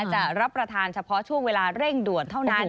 จะรับประทานเฉพาะช่วงเวลาเร่งด่วนเท่านั้น